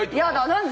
何で？